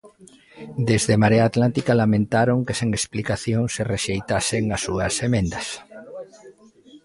Desde Marea Atlántica lamentaron que sen explicación, se rexeitasen as súas emendas.